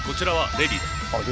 レディー。